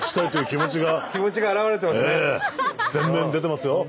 気持ちが表れてますね。